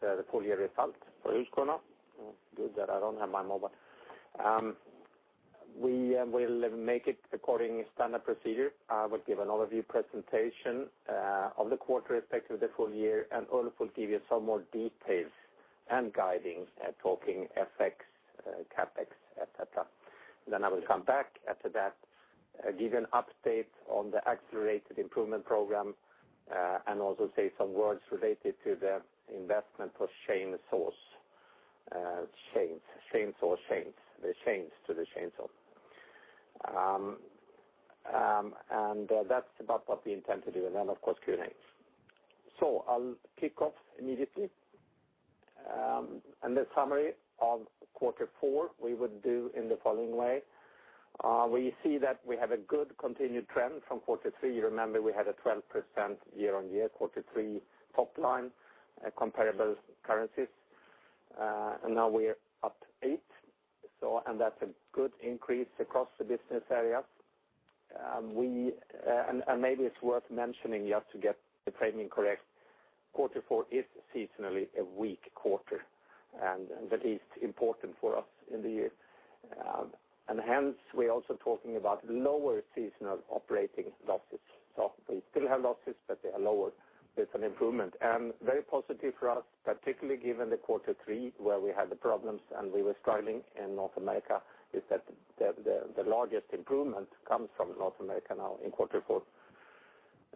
The full year results for Husqvarna. Good that I don't have my mobile. We will make it according standard procedure. I will give an overview presentation of the quarter effects of the full year, and Ulf will give you some more details and guiding, talking effects, CapEx, et cetera. I will come back after that, give you an update on the Accelerated Improvement Program, and also say some words related to the investment for chains to the chainsaw. That's about what we intend to do, and then, of course, Q&A. I'll kick off immediately. The summary of quarter four, we would do in the following way. We see that we have a good continued trend from quarter three. You remember we had a 12% year-on-year, quarter three top line comparable currencies. Now we're up to 8%, that's a good increase across the business areas. Maybe it's worth mentioning, just to get the framing correct, quarter four is seasonally a weak quarter, that is important for us in the year. Hence, we're also talking about lower seasonal operating losses. We still have losses, but they are lower with an improvement. Very positive for us, particularly given the quarter three, where we had the problems and we were struggling in North America, is that the largest improvement comes from North America now in quarter four.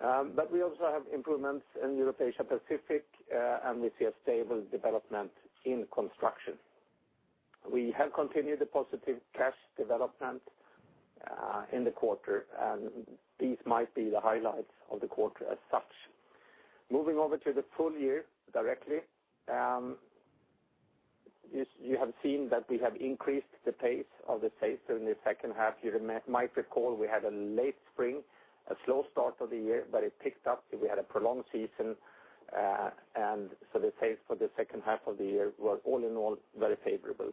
But we also have improvements in Europe, Asia-Pacific, and we see a stable development in construction. We have continued the positive cash development in the quarter, and these might be the highlights of the quarter as such. Moving over to the full year directly. You have seen that we have increased the pace of the sales during the second half. You might recall we had a late spring, a slow start of the year, but it picked up. We had a prolonged season, the sales for the second half of the year were, all in all, very favorable.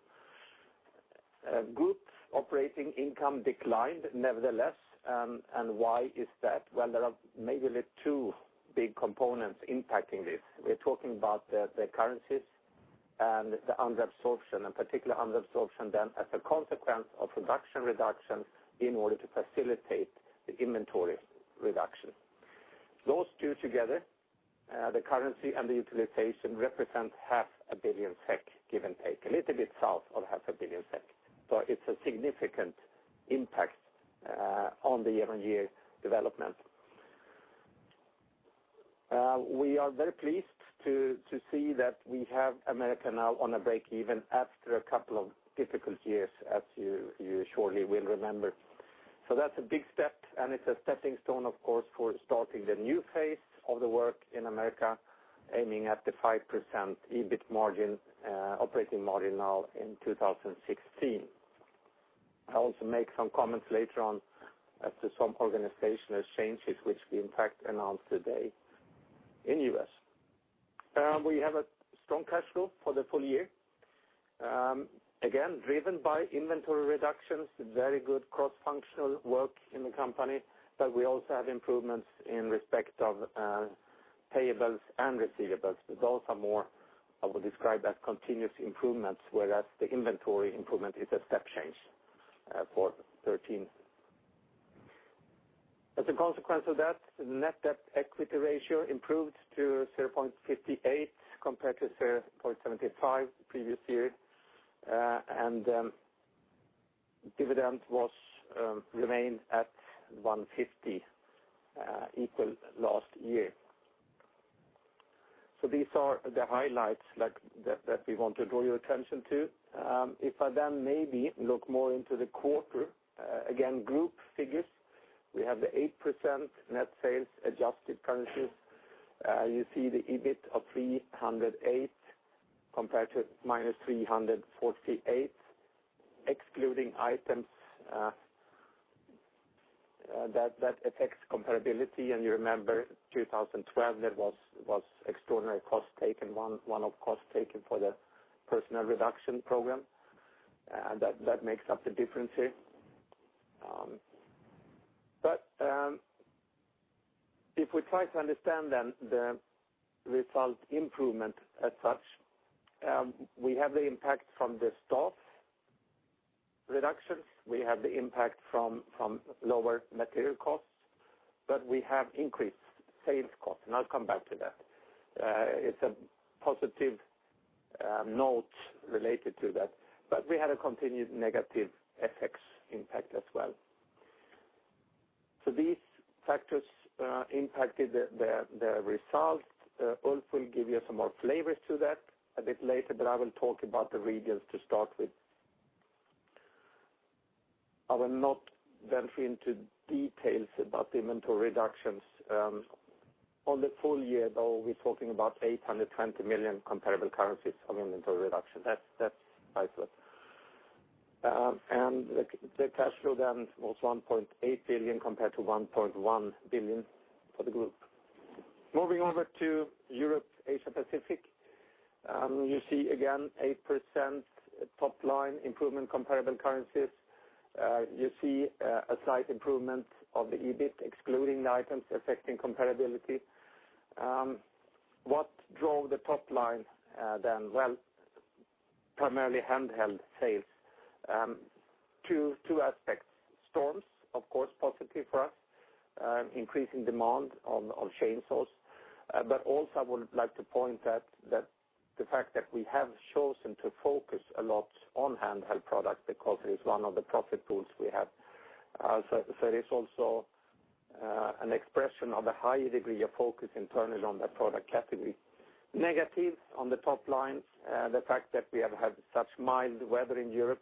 Group operating income declined nevertheless. Why is that? There are maybe two big components impacting this. We're talking about the currencies and the under absorption, and particularly under absorption then as a consequence of production reductions in order to facilitate the inventory reduction. Those two together, the currency and the utilization, represent half a billion SEK, give and take. A little bit south of half a billion SEK. It's a significant impact on the year-on-year development. We are very pleased to see that we have America now on a break even after a couple of difficult years, as you surely will remember. That's a big step, and it's a stepping stone, of course, for starting the new phase of the work in America, aiming at the 5% EBIT margin, operating margin now in 2016. I'll also make some comments later on as to some organizational changes which we in fact announced today in U.S. We have a strong cash flow for the full year. Again, driven by inventory reductions, very good cross-functional work in the company, but we also have improvements in respect of payables and receivables. Those are more, I would describe as continuous improvements, whereas the inventory improvement is a step change for 2013. As a consequence of that, the net debt/equity ratio improved to 0.58 compared to 0.75 the previous year, and dividend remained at 150, equal last year. These are the highlights that we want to draw your attention to. If I look more into the quarter, again, group figures, we have the 8% net sales adjusted currencies. You see the EBIT of 308 million compared to minus 348 million, excluding items that affect comparability. You remember 2012, there was extraordinary cost taken, one-off cost taken for the personnel reduction program. That makes up the difference here. If we try to understand the result improvement as such, we have the impact from the staff reductions. We have the impact from lower material costs, but we have increased sales costs, and I'll come back to that. It's a positive note related to that. We had a continued negative FX impact as well. These factors impacted the result. Ulf will give you some more flavors to that a bit later. I will talk about the regions to start with. I will not venture into details about the inventory reductions. On the full year, though, we're talking about 820 million comparable currencies of inventory reduction. The cash flow was 1.8 billion compared to 1.1 billion for the group. Moving over to Europe, Asia Pacific, you see again, 8% top line improvement comparable currencies. You see a slight improvement of the EBIT excluding the items affecting comparability. What drove the top line? Primarily handheld sales. Two aspects. Storms, of course, positive for us, increasing demand on chainsaws. I would like to point to the fact that we have chosen to focus a lot on handheld products because it is one of the profit pools we have. There is also an expression of a higher degree of focus internally on that product category. Negative on the top line, the fact that we have had such mild weather in Europe,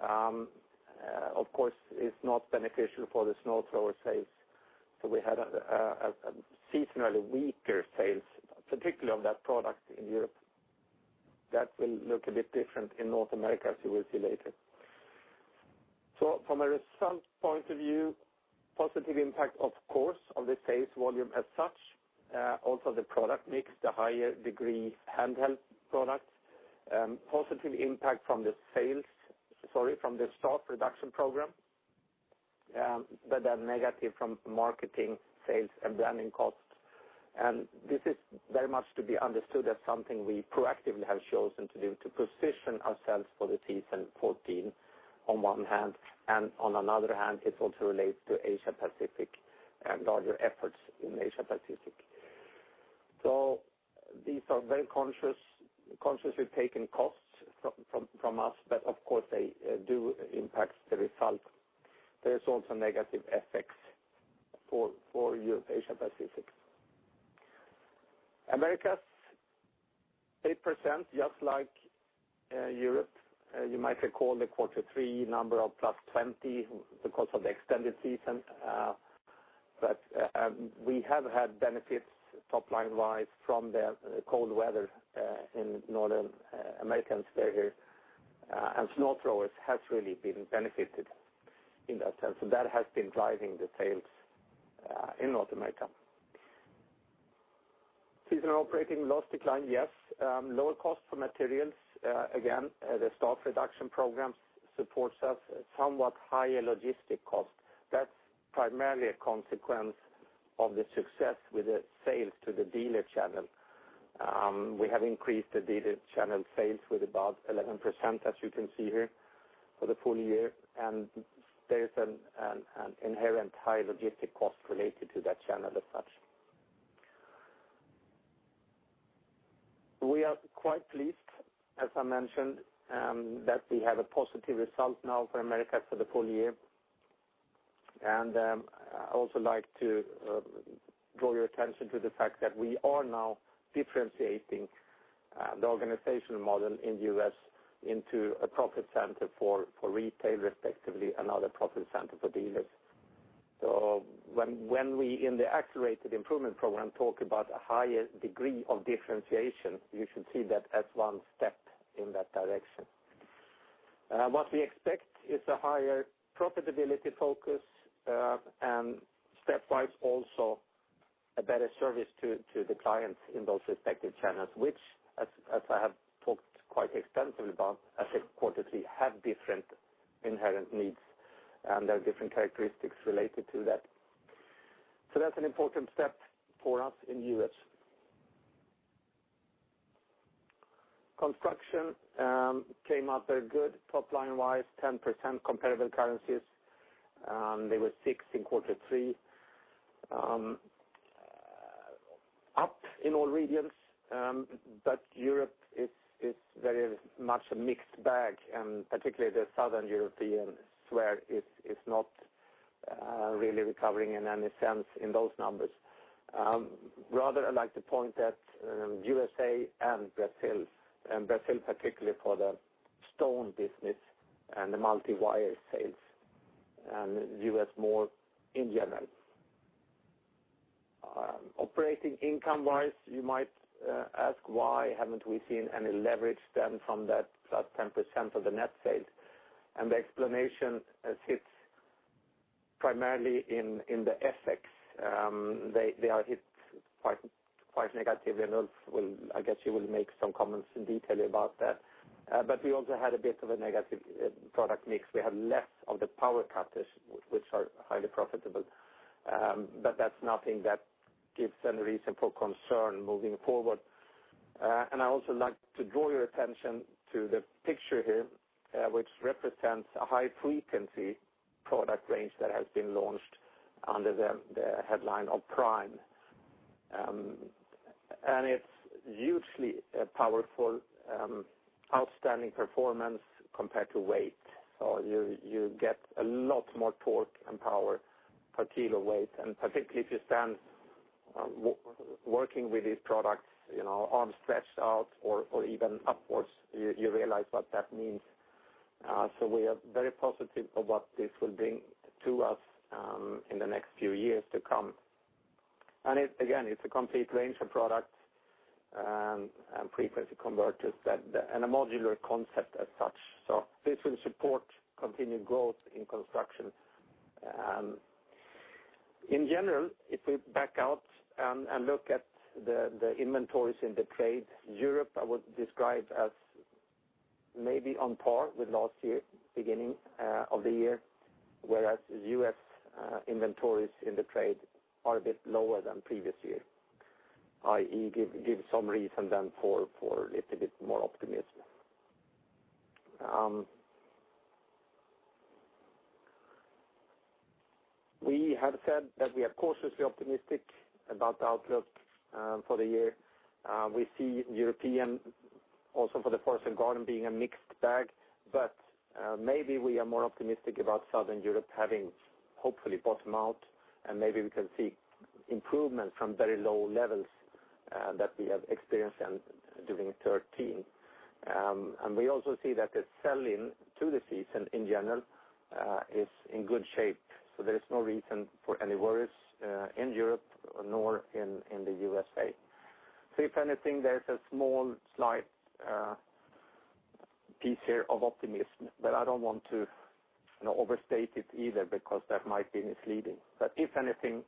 of course, is not beneficial for the snow thrower sales. We had a seasonally weaker sales, particularly of that product in Europe. That will look a bit different in North America, as you will see later. From a result point of view, positive impact, of course, of the sales volume as such. Also the product mix, the higher degree handheld products. Positive impact from the stock reduction program, but a negative from marketing, sales, and branding costs. This is very much to be understood as something we proactively have chosen to do to position ourselves for the season 2014 on one hand, and on another hand, it also relates to Asia Pacific and larger efforts in Asia Pacific. These are very consciously taken costs from us, but of course, they do impact the result. There's also negative effects for Asia Pacific. Americas, 8%, just like Europe. You might recall the quarter three number of +20% because of the extended season. We have had benefits top line-wise from the cold weather in Northern Americas, where snow throwers have really been benefited in that sense. That has been driving the sales in North America. Seasonal operating loss decline, yes. Lower cost for materials, again, the stock reduction programs supports us. Somewhat higher logistic cost. That's primarily a consequence of the success with the sales to the dealer channel. We have increased the dealer channel sales with about 11%, as you can see here, for the full year, and there is an inherent high logistic cost related to that channel as such. We are quite pleased, as I mentioned, that we have a positive result now for Americas for the full year. I also like to draw your attention to the fact that we are now differentiating the organizational model in U.S. into a profit center for retail, respectively, another profit center for dealers. When we, in the Accelerated Improvement Program, talk about a higher degree of differentiation, you should see that as one step in that direction. What we expect is a higher profitability focus. Stepwise also a better service to the clients in those respective channels, which, as I have talked quite extensively about, I think quarterly, have different inherent needs, and there are different characteristics related to that. That's an important step for us in U.S. Construction came out very good top line-wise, 10% comparable currencies. They were six in quarter three. Up in all regions, but Europe is very much a mixed bag, and particularly the Southern Europeans, where it's not really recovering in any sense in those numbers. Rather, I'd like to point at USA and Brazil, and Brazil particularly for the stone business and the multiwire sales, and U.S. more in general. Operating income-wise, you might ask why haven't we seen any leverage then from that plus 10% of the net sales? The explanation sits primarily in the FX. They are hit quite negatively. Ulf, I guess you will make some comments in detail about that. We also had a bit of a negative product mix. We have less of the power cutters, which are highly profitable. That's nothing that gives any reason for concern moving forward. I also like to draw your attention to the picture here, which represents a high-frequency product range that has been launched under the headline of PRIME. It's hugely powerful, outstanding performance compared to weight. You get a lot more torque and power per kilo weight, and particularly if you stand working with these products, arms stretched out or even upwards, you realize what that means. We are very positive of what this will bring to us in the next few years to come. Again, it's a complete range of products and frequency converters, and a modular concept as such. This will support continued growth in construction and In general, if we back out and look at the inventories in the trade, Europe, I would describe as maybe on par with last year, beginning of the year, whereas U.S. inventories in the trade are a bit lower than previous year, i.e., give some reason then for a little bit more optimism. We have said that we are cautiously optimistic about the outlook for the year. We see European, also for the Forest and Garden, being a mixed bag, but maybe we are more optimistic about Southern Europe having hopefully bottomed out, and maybe we can see improvement from very low levels that we have experienced during 2013. We also see that the sell-in to the season, in general, is in good shape. There is no reason for any worries in Europe nor in the U.S.A. If anything, there's a small, slight piece here of optimism, I don't want to overstate it either because that might be misleading. If anything,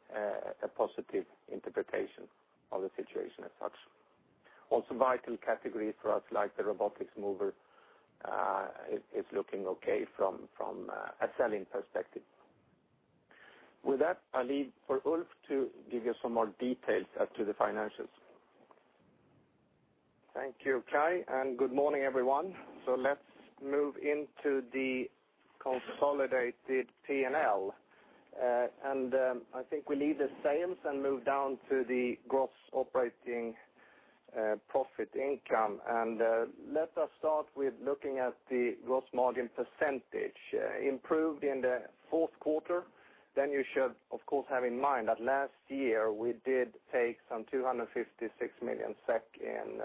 a positive interpretation of the situation as such. Also vital category for us, like the robotic mower, is looking okay from a sell-in perspective. With that, I leave for Ulf to give you some more details as to the financials. Thank you, Kai, and good morning, everyone. Let's move into the consolidated P&L. I think we leave the sales and move down to the gross operating profit income. Let us start with looking at the gross margin %. Improved in the fourth quarter, you should, of course, have in mind that last year we did take some 256 million SEK in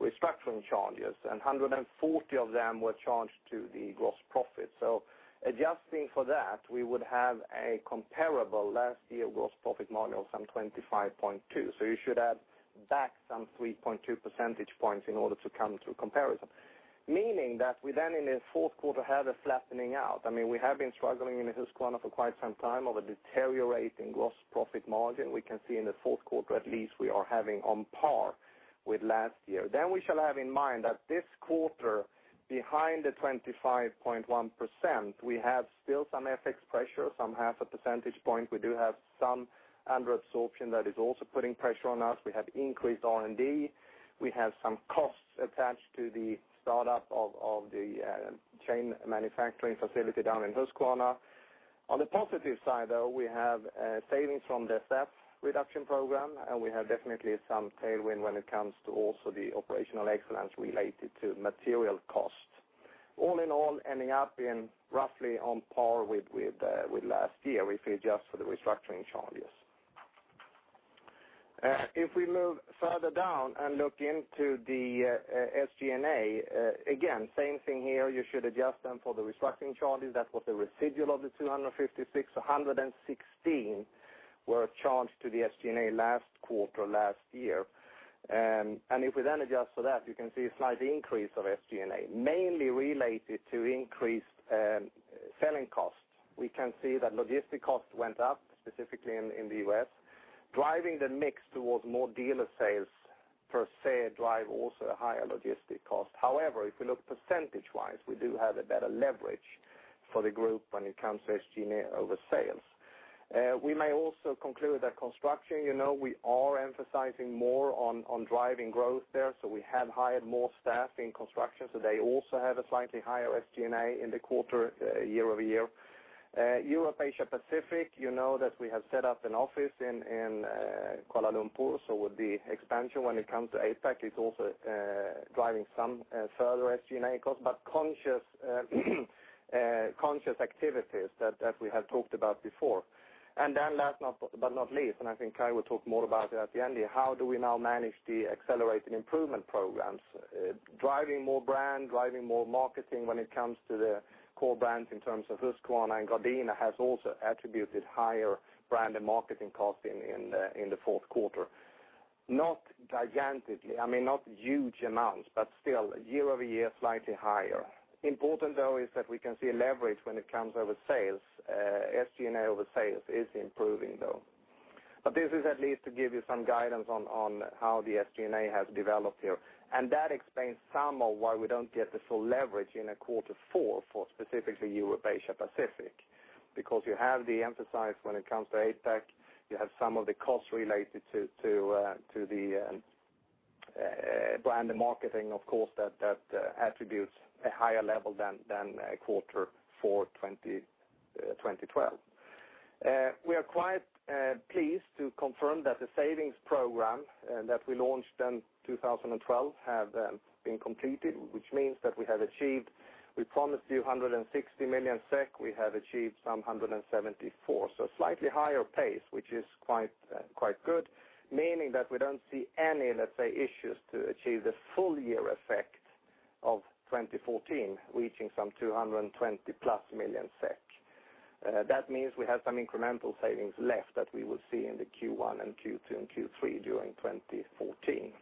restructuring charges, and 140 of them were charged to the gross profit. Adjusting for that, we would have a comparable last year gross profit margin of some 25.2%. You should add back some 3.2 percentage points in order to come to comparison. Meaning that we then in the fourth quarter had a flattening out. We have been struggling in the Husqvarna for quite some time of a deteriorating gross profit margin. We can see in the fourth quarter, at least we are having on par with last year. We shall have in mind that this quarter, behind the 25.1%, we have still some FX pressure, some half a percentage point. We do have some under absorption that is also putting pressure on us. We have increased R&D. We have some costs attached to the startup of the chain manufacturing facility down in Husqvarna. On the positive side, though, we have savings from the staff reduction program, and we have definitely some tailwind when it comes to also the operational excellence related to material costs. All in all, ending up being roughly on par with last year, if we adjust for the restructuring charges. We move further down and look into the SG&A, again, same thing here. You should adjust them for the restructuring charges. That was the residual of the 256, 116 were charged to the SG&A last quarter, last year. If we then adjust for that, you can see a slight increase of SG&A, mainly related to increased selling costs. We can see that logistic costs went up, specifically in the U.S., driving the mix towards more dealer sales per se, drive also a higher logistic cost. However, if you look percentage-wise, we do have a better leverage for the group when it comes to SG&A over sales. We may also conclude that construction, we are emphasizing more on driving growth there. We have hired more staff in construction, they also have a slightly higher SG&A in the quarter year-over-year. Europe, Asia Pacific, you know that we have set up an office in Kuala Lumpur, with the expansion when it comes to APAC, it is also driving some further SG&A costs, but conscious activities that we have talked about before. Then last but not least, I think Kai will talk more about it at the end here, how do we now manage the Accelerated Improvement programs? Driving more brand, driving more marketing when it comes to the core brands in terms of Husqvarna and Gardena has also attributed higher brand and marketing costs in the fourth quarter. Not gigantically, not huge amounts, but still, year-over-year, slightly higher. Important, though, is that we can see a leverage when it comes over sales. SG&A over sales is improving, though. This is at least to give you some guidance on how the SG&A has developed here. That explains some of why we don't get the full leverage in a quarter four for specifically Europe, Asia Pacific. Because you have the emphasis when it comes to APAC, you have some of the costs related to the brand and marketing, of course, that attributes a higher level than quarter four 2012. We are quite pleased to confirm that the savings program that we launched in 2012 have been completed, which means that we have achieved. We promised you 160 million SEK, we have achieved some 174. Slightly higher pace, which is quite good, meaning that we don't see any, let's say, issues to achieve the full year effect of 2014, reaching some 220-plus million SEK. That means we have some incremental savings left that we will see in the Q1 and Q2 and Q3 during 2014.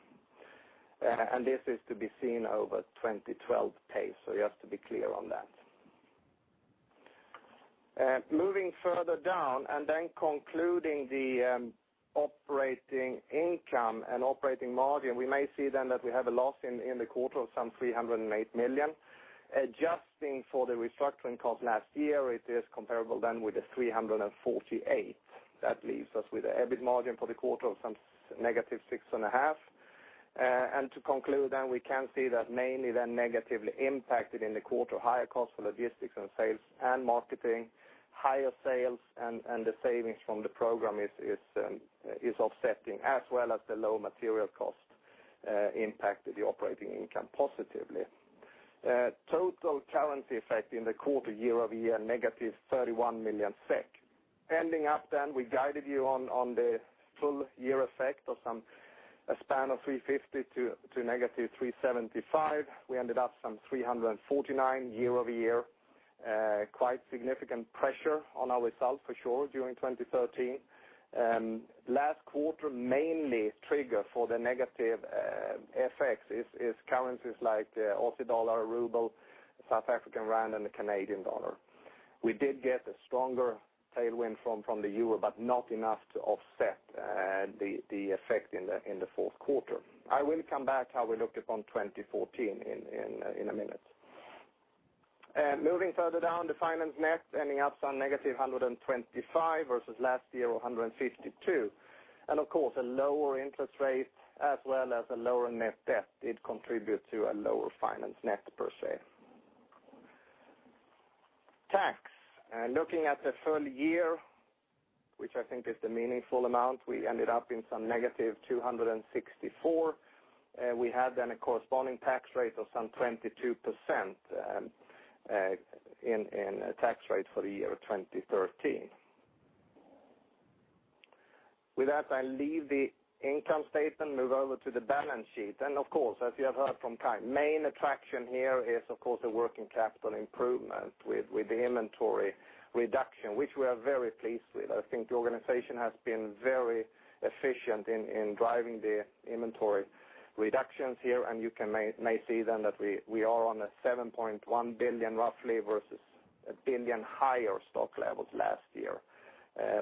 This is to be seen over 2012 pace, just to be clear on that. Moving further down, concluding the operating income and operating margin, we may see then that we have a loss in the quarter of some 308 million. Adjusting for the restructuring cost last year, it is comparable then with the 348. That leaves us with an EBIT margin for the quarter of some -6.5%. To conclude, we can see that mainly then negatively impacted in the quarter, higher cost for logistics and sales and marketing, higher sales, and the savings from the program is offsetting as well as the low material cost impacted the operating income positively. Total currency effect in the quarter year-over-year, -31 million SEK. Ending up then, we guided you on the full year effect of a span of 350 to -375. We ended up some 349 year-over-year. Quite significant pressure on our results for sure during 2013. Last quarter, mainly trigger for the negative effects is currencies like the AUD, RUB, ZAR, and the CAD. We did get a stronger tailwind from the EUR, but not enough to offset the effect in the fourth quarter. I will come back how we looked upon 2014 in a minute. Moving further down, the finance net ending up some -125 versus last year, 152. Of course, a lower interest rate as well as a lower net debt did contribute to a lower finance net per se. Tax. Looking at the full year, which I think is the meaningful amount, we ended up in some -264. We had a corresponding tax rate of some 22% in tax rate for the year 2013. With that, I leave the income statement, move over to the balance sheet. Of course, as you have heard from Kai, main attraction here is, of course, the working capital improvement with the inventory reduction, which we are very pleased with. I think the organization has been very efficient in driving the inventory reductions here, and you may see then that we are on a 7.1 billion roughly versus a 1 billion higher stock levels last year,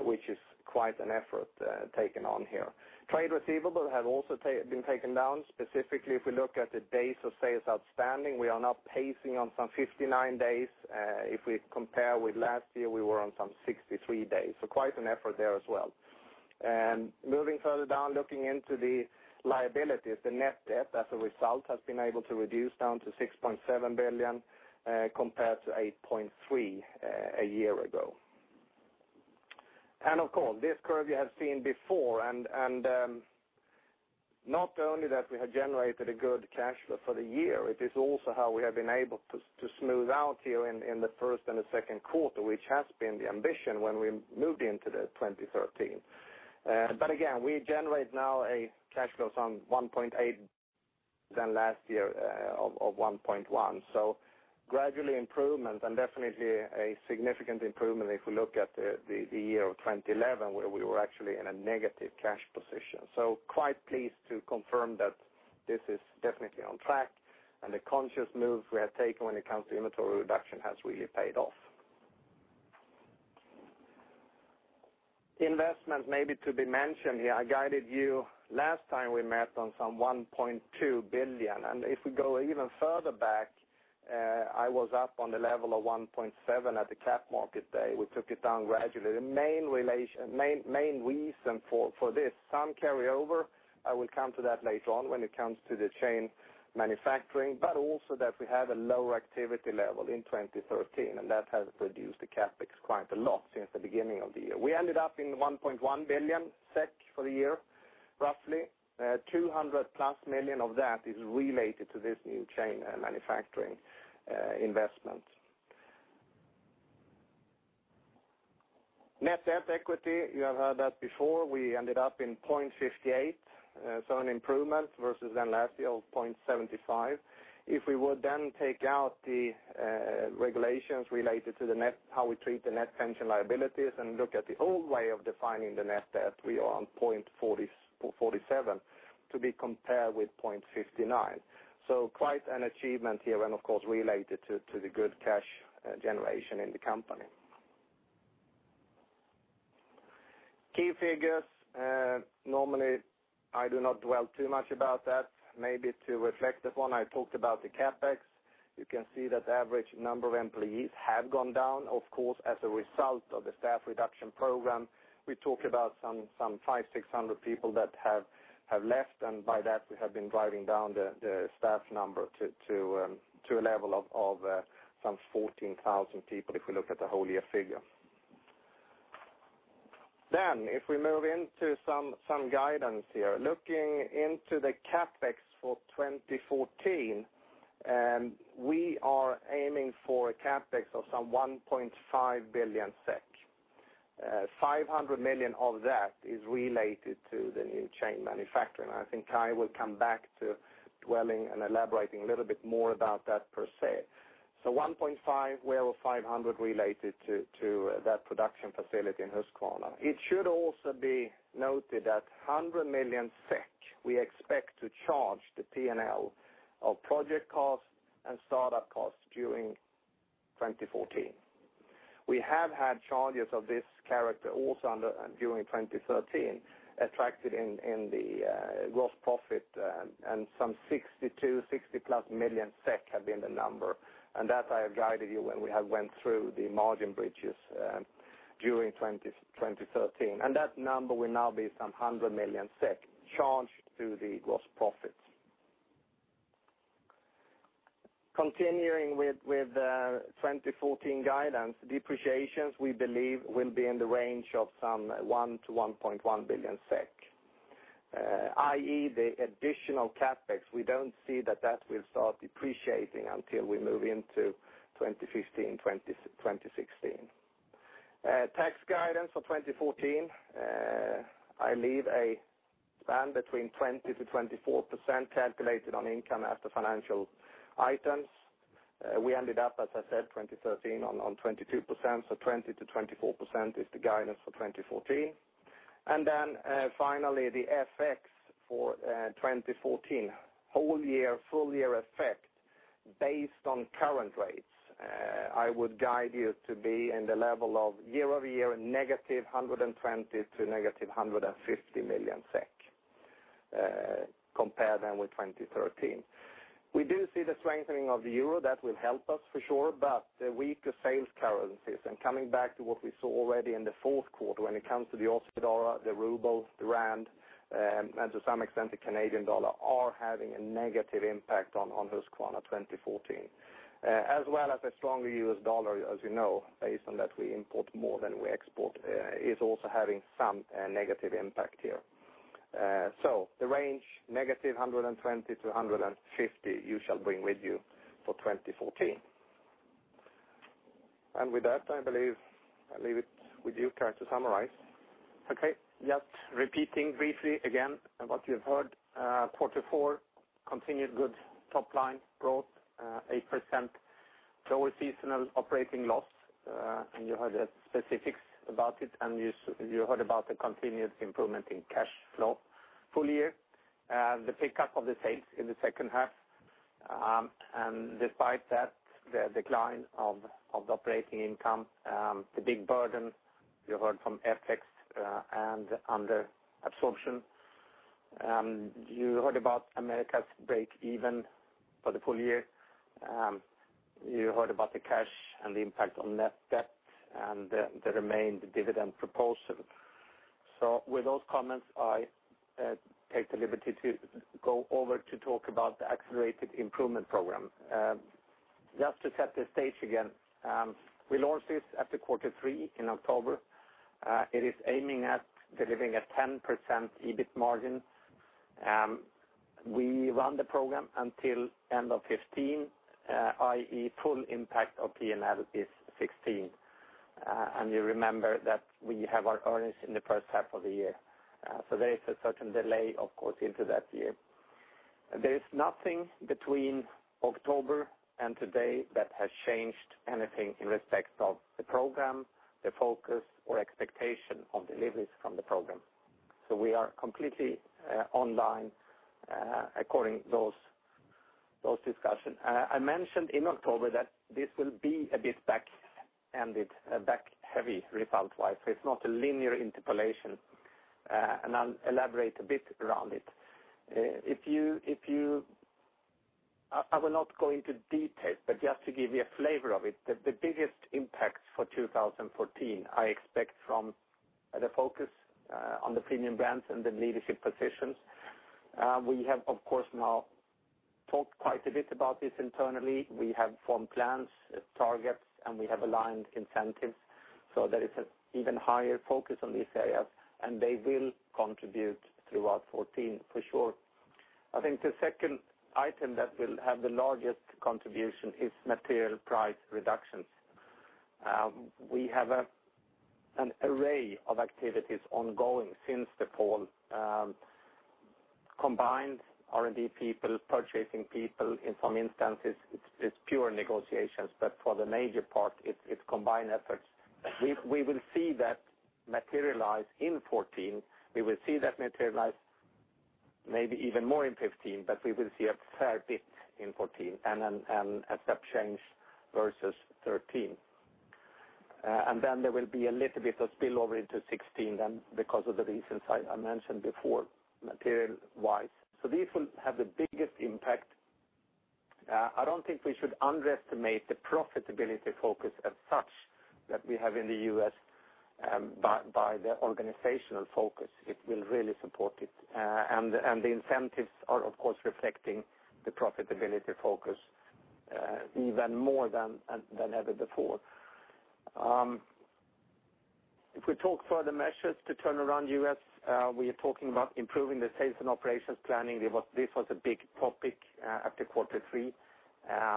which is quite an effort taken on here. Trade receivables have also been taken down. Specifically, if we look at the days sales outstanding, we are now pacing on some 59 days. If we compare with last year, we were on some 63 days, so quite an effort there as well. Moving further down, looking into the liabilities, the net debt as a result has been able to reduce down to 6.7 billion compared to 8.3 billion a year ago. Of course, this curve you have seen before, not only that we have generated a good cash flow for the year, it is also how we have been able to smooth out here in the first and the second quarter, which has been the ambition when we moved into the 2013. Again, we generate now a cash flow some 1.8 billion than last year of 1.1 billion. Gradually improvement and definitely a significant improvement if we look at the year 2011, where we were actually in a negative cash position. Quite pleased to confirm that this is definitely on track, and the conscious moves we have taken when it comes to inventory reduction has really paid off. Investment maybe to be mentioned here. I guided you last time we met on some 1.2 billion, if we go even further back, I was up on the level of 1.7 billion at the Capital Market Day. We took it down gradually. The main reason for this, some carryover, I will come to that later on when it comes to the chain manufacturing, also that we have a lower activity level in 2013, that has reduced the CapEx quite a lot since the beginning of the year. We ended up in 1.1 billion SEK for the year, roughly. 200+ million of that is related to this new chain manufacturing investment. Net debt equity, you have heard that before. We ended up in 0.58, an improvement versus then last year of 0.75. If we would then take out the regulations related to how we treat the net pension liabilities and look at the old way of defining the net debt, we are on 0.47 to be compared with 0.59. Quite an achievement here, of course, related to the good cash generation in the company. Key figures. Normally, I do not dwell too much about that. Maybe to reflect upon, I talked about the CapEx. You can see that the average number of employees have gone down, of course, as a result of the staff reduction program. We talked about some 500, 600 people that have left, by that, we have been driving down the staff number to a level of some 14,000 people, if we look at the whole year figure. If we move into some guidance here. Looking into the CapEx for 2014, we are aiming for a CapEx of some 1.5 billion SEK. 500 million of that is related to the new saw chain manufacturing. I think Kai will come back to dwelling and elaborating a little bit more about that per se. 1.5 billion, where 500 million was related to that production facility in Husqvarna. It should also be noted that 100 million SEK, we expect to charge the P&L of project costs and startup costs during 2014. We have had charges of this character also during 2013, attracted in the gross profit, and some 60 to 60-plus million SEK have been the number. That I have guided you when we have went through the margin bridges during 2013. That number will now be some 100 million SEK charged to the gross profits. Continuing with the 2014 guidance, depreciations, we believe will be in the range of some 1 billion to 1.1 billion SEK. i.e., the additional CapEx, we don't see that that will start depreciating until we move into 2015, 2016. Tax guidance for 2014, I leave a span between 20%-24% calculated on income after financial items. We ended up, as I said, 2013 on 22%, so 20%-24% is the guidance for 2014. Finally, the FX for 2014, whole year, full-year effect based on current rates. I would guide you to be in the level of year-over-year negative 120 million to negative 150 million SEK compared than with 2013. We do see the strengthening of the euro. That will help us for sure, but the weaker sales currencies and coming back to what we saw already in the fourth quarter when it comes to the Aussie dollar, the ruble, the rand, and to some extent the Canadian dollar are having a negative impact on Husqvarna 2014. As well as a stronger US dollar, as you know, based on that we import more than we export, is also having some negative impact here. The range negative 120 million to negative 150 million you shall bring with you for 2014. With that, I believe I leave it with you, Kai, to summarize. Okay. Just repeating briefly again what you've heard. Quarter four, continued good top line growth, 8%, lower seasonal operating loss, and you heard the specifics about it, and you heard about the continued improvement in cash flow full year. The pickup of the sales in the second half, and despite that, the decline of the operating income, the big burden you heard from FX and under absorption. You heard about Americas break even for the full year. You heard about the cash and the impact on net debt and the remained dividend proposal. With those comments, I take the liberty to go over to talk about the Accelerated Improvement Program. Just to set the stage again. We launched this after quarter three in October. It is aiming at delivering a 10% EBIT margin. We run the program until end of 2015, i.e., full impact of P&L is 2016. You remember that we have our earnings in the first half of the year. There is a certain delay, of course, into that year. There is nothing between October and today that has changed anything in respect of the program, the focus, or expectation on deliveries from the program. We are completely online according those discussion. I mentioned in October that this will be a bit back-ended, back-heavy result-wise. It's not a linear interpolation, and I'll elaborate a bit around it. I will not go into detail, but just to give you a flavor of it, the biggest impacts for 2014 I expect from the focus on the premium brands and the leadership positions. We have, of course, now talked quite a bit about this internally. We have formed plans, targets, we have aligned incentives so there is an even higher focus on these areas, they will contribute throughout 2014, for sure. I think the second item that will have the largest contribution is material price reductions. We have an array of activities ongoing since the fall. Combined R&D people, purchasing people, in some instances, it's pure negotiations, for the major part, it's combined efforts. We will see that materialize in 2014. We will see that materialize maybe even more in 2015, but we will see a fair bit in 2014, a step change versus 2013. There will be a little bit of spillover into 2016 then because of the reasons I mentioned before, material-wise. These will have the biggest impact. I don't think we should underestimate the profitability focus as such that we have in the U.S. by the organizational focus. It will really support it. The incentives are, of course, reflecting the profitability focus even more than ever before. If we talk further measures to turn around U.S., we are talking about improving the sales and operations planning. This was a big topic after quarter three,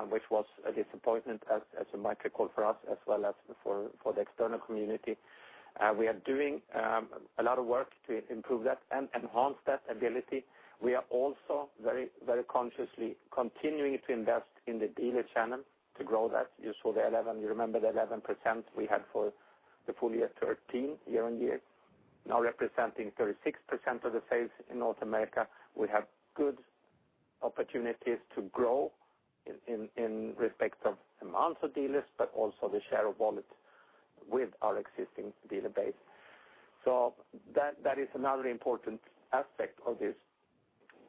which was a disappointment as a micro call for us as well as for the external community. We are doing a lot of work to improve that and enhance that ability. We are also very consciously continuing to invest in the dealer channel to grow that. You saw the 11. You remember the 11% we had for the full year 2013, year-over-year, now representing 36% of the sales in North America. We have good opportunities to grow in respect of amounts of dealers, also the share of wallet with our existing dealer base. That is another important aspect of this.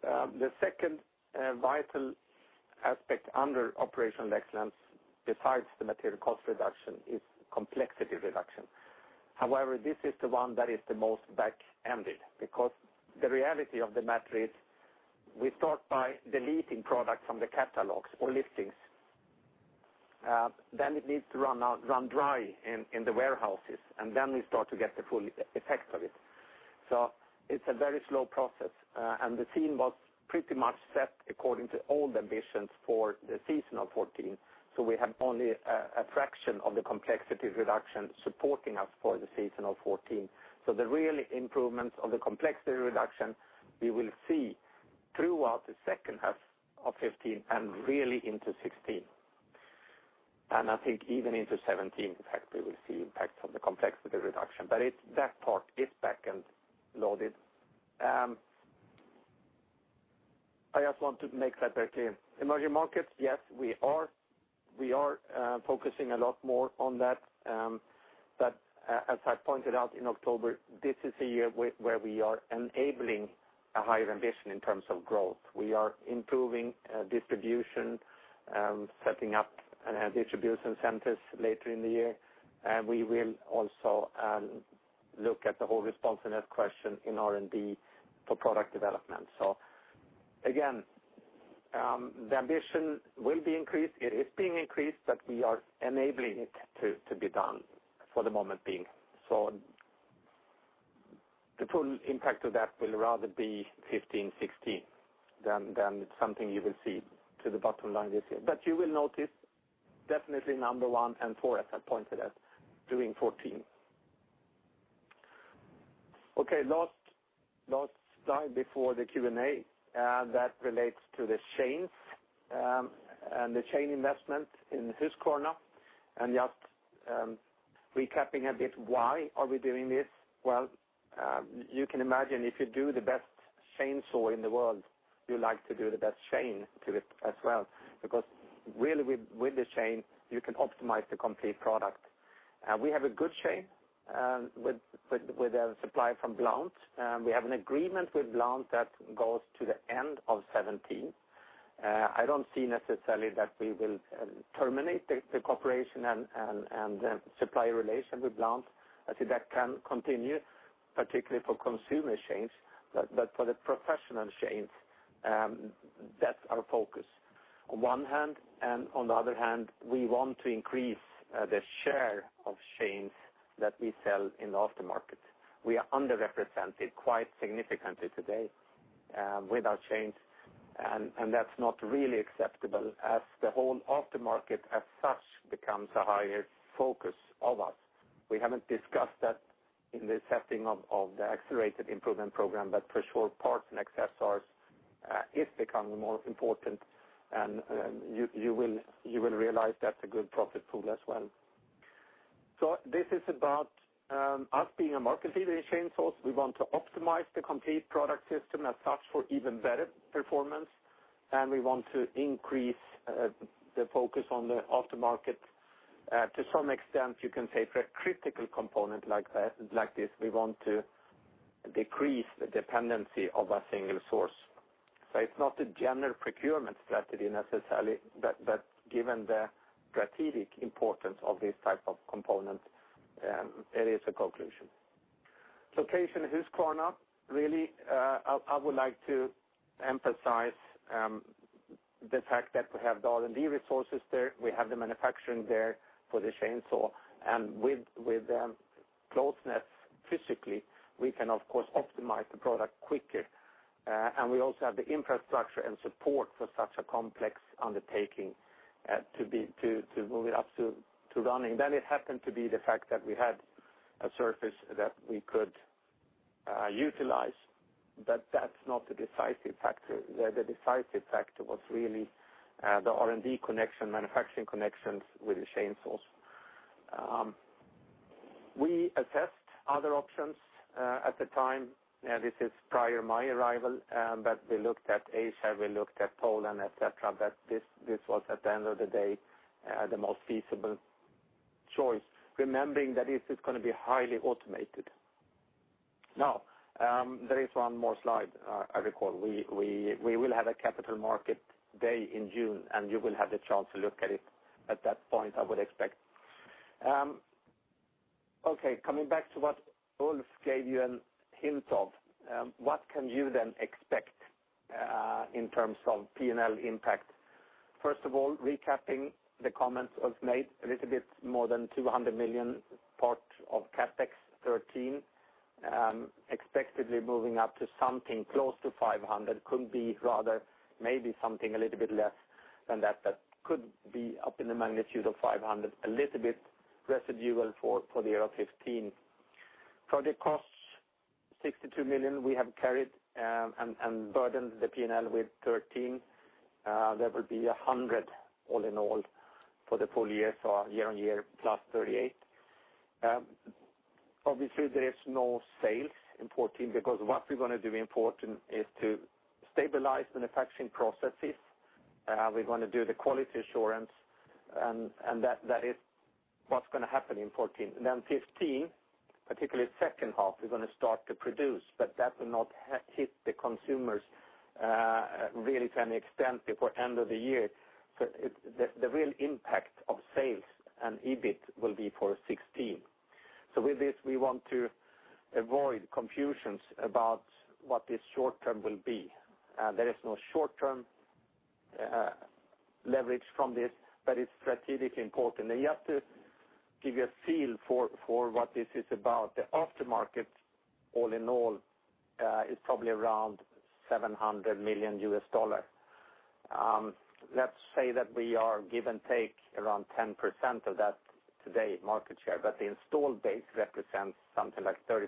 The second vital aspect under operational excellence, besides the material cost reduction, is complexity reduction. This is the one that is the most back-ended, the reality of the matter is we start by deleting products from the catalogs or listings. It needs to run dry in the warehouses, we start to get the full effect of it. It's a very slow process, the team was pretty much set according to old ambitions for the season of 2014. We have only a fraction of the complexity reduction supporting us for the season of 2014. The real improvements of the complexity reduction, we will see throughout the second half of 2015 and really into 2016. I think even into 2017, in fact, we will see impacts of the complexity reduction. That part is back end loaded. I just want to make that very clear. Emerging markets, yes, we are focusing a lot more on that. As I pointed out in October, this is a year where we are enabling a higher ambition in terms of growth. We are improving distribution, setting up distribution centers later in the year. We will also look at the whole responsiveness question in R&D for product development. Again, the ambition will be increased. It is being increased, but we are enabling it to be done for the moment being. The full impact of that will rather be 2015, 2016 than something you will see to the bottom line this year. You will notice definitely number 1 and 4, as I pointed out, during 2014. Okay, last slide before the Q&A that relates to the chains and the chain investment in Husqvarna. Just recapping a bit, why are we doing this? Well, you can imagine if you do the best chainsaw in the world, you like to do the best chain to it as well, because really with the chain, you can optimize the complete product. We have a good chain with a supplier from Blount. We have an agreement with Blount that goes to the end of 2017. I don't see necessarily that we will terminate the cooperation and the supplier relation with Blount. I see that can continue, particularly for consumer chains, but for the professional chains, that's our focus. On one hand, and on the other hand, we want to increase the share of chains that we sell in the aftermarket. We are underrepresented quite significantly today with our chains, and that's not really acceptable as the whole aftermarket as such becomes a higher focus of us. We haven't discussed that in the setting of the Accelerated Improvement Program, but for sure, parts and accessories is becoming more important, and you will realize that's a good profit pool as well. This is about us being a market leader in chainsaws. We want to optimize the complete product system as such for even better performance, and we want to increase the focus on the aftermarket. To some extent, you can say for a critical component like this, we want to decrease the dependency of a single source. It's not a general procurement strategy necessarily, but given the strategic importance of this type of component, it is a conclusion. [Locations] Husqvarna, really, I would like to emphasize the fact that we have the R&D resources there. We have the manufacturing there for the chainsaw, and with closeness physically, we can of course optimize the product quicker. We also have the infrastructure and support for such a complex undertaking to move it up to running. Then it happened to be the fact that we had a surface that we could utilize, but that's not the decisive factor. The decisive factor was really the R&D connection, manufacturing connections with the chainsaws. We assessed other options at the time, this is prior my arrival, but we looked at Asia, we looked at Poland, et cetera, but this was at the end of the day, the most feasible choice, remembering that this is going to be highly automated. There is one more slide I recall. We will have a Capital Market Day in June, and you will have the chance to look at it at that point, I would expect. Coming back to what Ulf gave you a hint of, what can you then expect in terms of P&L impact? First of all, recapping the comments Ulf made, a little bit more than 200 million, part of CapEx 2013, expectedly moving up to something close to 500 million, could be rather maybe something a little bit less. That could be up in the magnitude of 500 million, a little bit residual for the year of 2015. Project costs 62 million, we have carried and burdened the P&L with 13 million. There will be 100 million all in all for the full year, so year-on-year plus 38 million. There is no sales in 2014 because what we're going to do in 2014 is to stabilize the manufacturing processes. We're going to do the quality assurance, and that is what's going to happen in 2014. Then 2015, particularly second half, we're going to start to produce, but that will not hit the consumers really to any extent before end of the year. The real impact of sales and EBIT will be for 2016. With this, we want to avoid confusions about what this short term will be. There is no short-term leverage from this, but it's strategically important. You have to give you a feel for what this is about. The aftermarket, all in all, is probably around SEK 700 million. Let's say that we are, give and take, around 10% of that today market share, but the installed base represents something like 30%.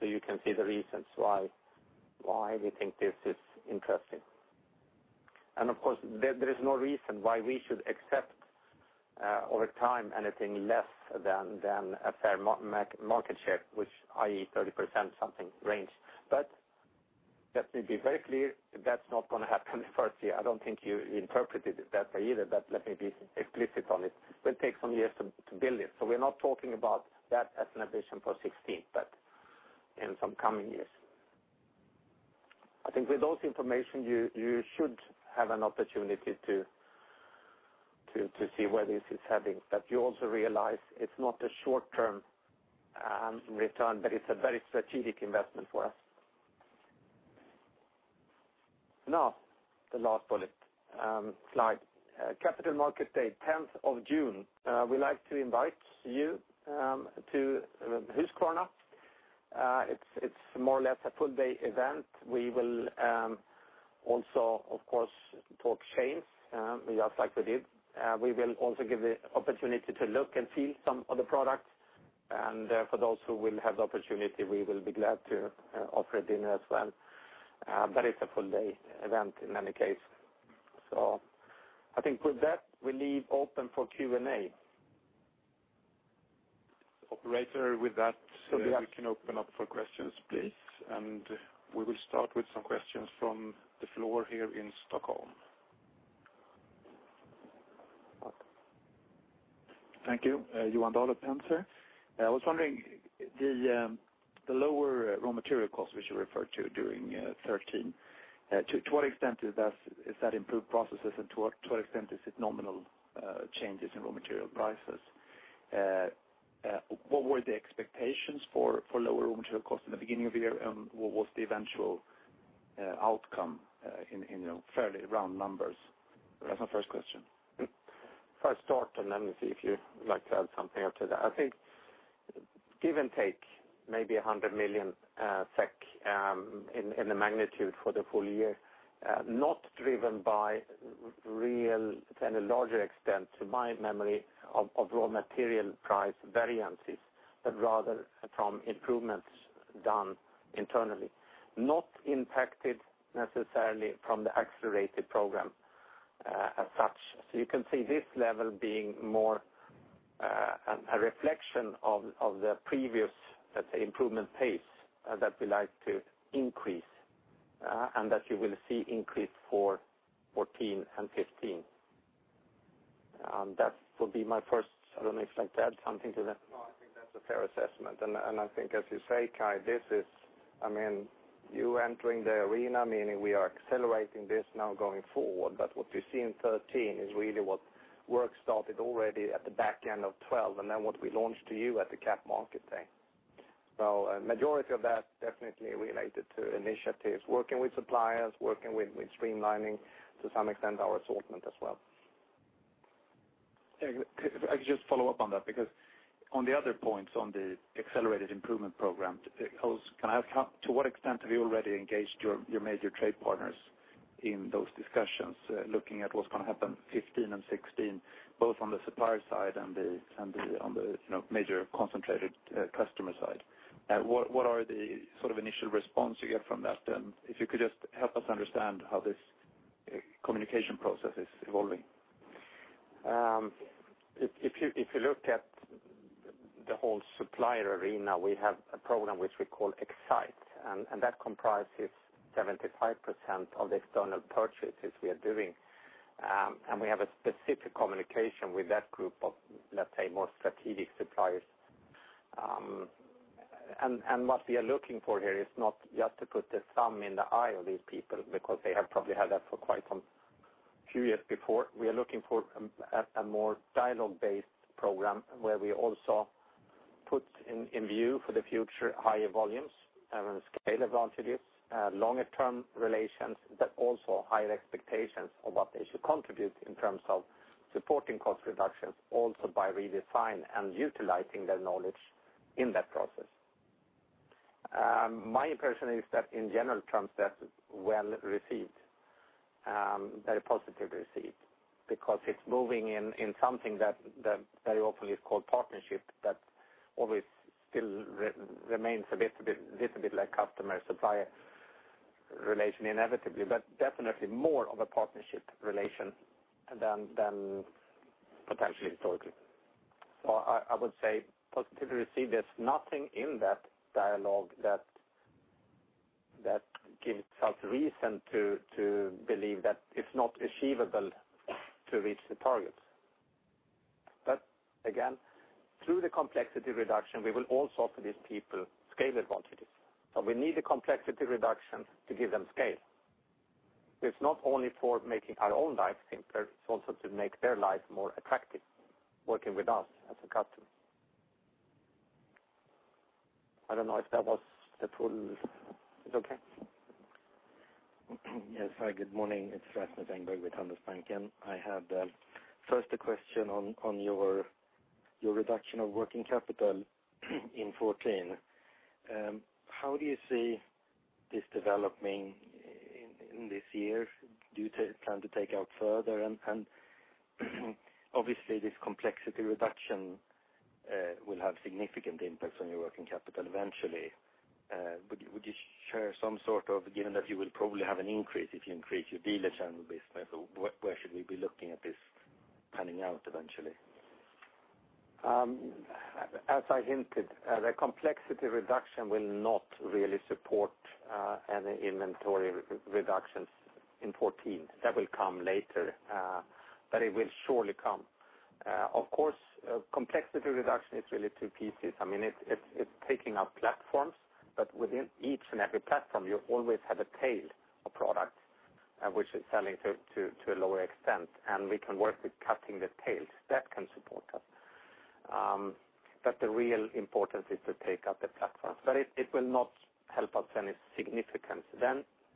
You can see the reasons why we think this is interesting. Of course, there is no reason why we should accept, over time, anything less than a fair market share, which i.e., 30% something range. Let me be very clear, that's not going to happen in the first year. I don't think you interpreted it that way either, let me be explicit on it. It will take some years to build it. We're not talking about that as an ambition for 2016, but in some coming years. I think with those information, you should have an opportunity to see where this is heading, but you also realize it's not a short-term return, but it's a very strategic investment for us. The last bullet slide. Capital Market Day, 10th of June. We like to invite you to Husqvarna. It's more or less a full day event. We will also, of course, talk chains, just like we did. We will also give the opportunity to look and feel some of the products. For those who will have the opportunity, we will be glad to offer a dinner as well. It's a full day event in any case. I think with that, we leave open for Q&A. Operator, with that- Yes We can open up for questions, please. We will start with some questions from the floor here in Stockholm. Thank you. Johan Eliason, here. I was wondering, the lower raw material costs, which you referred to during 2013, to what extent does that improve processes and to what extent is it nominal changes in raw material prices? What were the expectations for lower raw material costs in the beginning of the year, and what was the eventual outcome in fairly round numbers? That's my first question. If I start, then if you'd like to add something after that. I think, give and take, maybe 100 million SEK in the magnitude for the full year. Not driven by real, to any larger extent, to my memory, of raw material price variances, but rather from improvements done internally. Not impacted necessarily from the Accelerated Improvement Program as such. You can see this level being more a reflection of the previous, let's say, improvement pace that we like to increase, and that you will see increase for 2014 and 2015. That would be my first. I don't know if you'd like to add something to that. No, I think that's a fair assessment. I think as you say, Kai, this is you entering the arena, meaning we are accelerating this now going forward. What we see in 2013 is really what work started already at the back end of 2012, and then what we launched to you at the Capital Market Day. A majority of that definitely related to initiatives, working with suppliers, working with streamlining, to some extent, our assortment as well. If I could just follow up on that, because on the other points on the Accelerated Improvement Program, to what extent have you already engaged your major trade partners in those discussions, looking at what's going to happen 2015 and 2016, both on the supplier side and on the major concentrated customer side? What are the initial response you get from that then? If you could just help us understand how this communication process is evolving. If you looked at the whole supplier arena, we have a program which we call EXCITE, and that comprises 75% of the external purchases we are doing. We have a specific communication with that group of, let's say, more strategic suppliers. What we are looking for here is not just to put the thumb in the eye of these people, because they have probably had that for quite some few years before. We are looking for a more dialogue-based program where we also put in view for the future higher volumes and scale advantages, longer-term relations, but also higher expectations of what they should contribute in terms of supporting cost reductions also by redesign and utilizing their knowledge in that process. My impression is that in general terms, that's well-received, very positively received, because it's moving in something that very often is called partnership, that always still remains a little bit like customer-supplier relation inevitably, but definitely more of a partnership relation than potentially historically. I would say positively received. There's nothing in that dialogue that gives us reason to believe that it's not achievable to reach the target. Again, through the complexity reduction, we will also offer these people scale advantages. We need a complexity reduction to give them scale. It's not only for making our own life simpler, it's also to make their life more attractive, working with us as a customer. I don't know if that was the full It's okay? Yes. Hi, good morning. It's Rasmus Engberg with Handelsbanken. I had first a question on your reduction of working capital in 2014. How do you see this developing in this year? Do you plan to take out further? Obviously, this complexity reduction will have significant impacts on your working capital eventually. Given that you will probably have an increase if you increase your dealer channel business, where should we be looking at this panning out eventually? As I hinted, the complexity reduction will not really support any inventory reductions in 2014. That will come later. It will surely come. Of course, complexity reduction is really two pieces. It's taking out platforms, but within each and every platform, you always have a tail of products, which is selling to a lower extent, and we can work with cutting the tails. That can support us. The real importance is to take out the platforms. It will not help us any significance.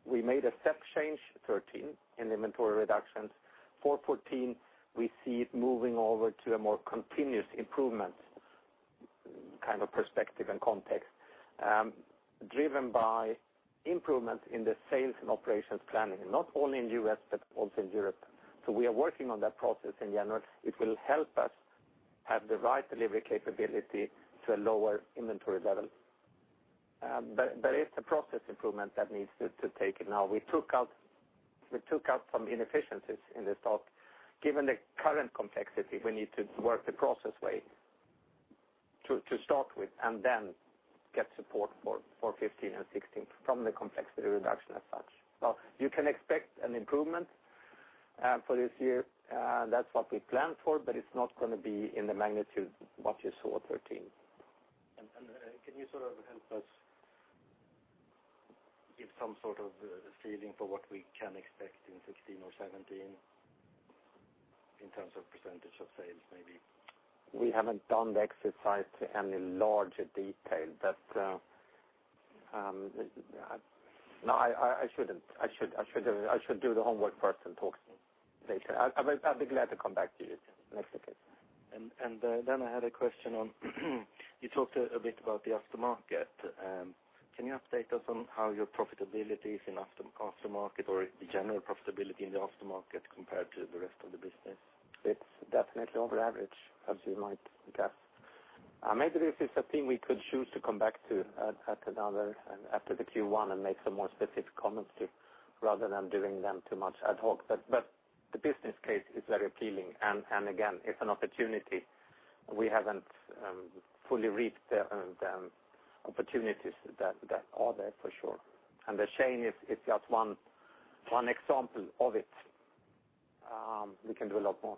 We made a step change 2013 in inventory reductions. For 2014, we see it moving over to a more continuous improvement kind of perspective and context, driven by improvement in the sales and operations planning, not only in U.S., but also in Europe. We are working on that process in general. It will help us have the right delivery capability to a lower inventory level. It's a process improvement that needs to take. Now, we took out some inefficiencies in the start. Given the current complexity, we need to work the process way to start with, get support for 2015 and 2016 from the complexity reduction as such. You can expect an improvement for this year. That's what we planned for, it's not going to be in the magnitude what you saw 2013. Can you sort of help us give some sort of feeling for what we can expect in 2016 or 2017 in terms of % of sales, maybe? We haven't done the exercise to any larger detail. No, I should do the homework first and talk later. I'll be glad to come back to you next occasion. I had a question on, you talked a bit about the aftermarket. Can you update us on how your profitability is in aftermarket, or the general profitability in the aftermarket compared to the rest of the business? It's definitely over average, as you might guess. Maybe this is a thing we could choose to come back to at another time after the Q1 and make some more specific comments to, rather than doing them too much ad hoc. The business case is very appealing, and again, it's an opportunity. We haven't fully reaped the opportunities that are there for sure. The chain is just one example of it. We can do a lot more.